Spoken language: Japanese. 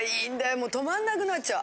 もう止まんなくなっちゃう。